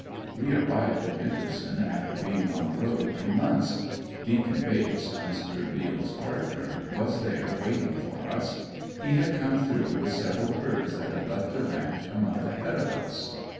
We arrived at Nickerson after being on the road two months. "Deacon" Bates, Mr. Beals partner, was there waiting for us. He had come through with several herds that had left the ranch a month ahead of us.